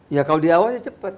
ya kalau diawasi cepet